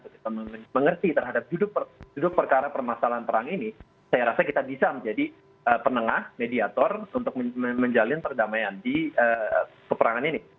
ketika mengerti terhadap duduk perkara permasalahan perang ini saya rasa kita bisa menjadi penengah mediator untuk menjalin perdamaian di peperangan ini